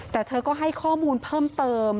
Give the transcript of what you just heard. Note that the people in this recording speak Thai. แต่เธอก็ให้ข้อมูลเพิ่มเติม